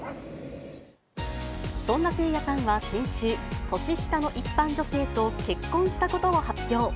そんなせいやさんは先週、年下の一般女性と結婚したことを発表。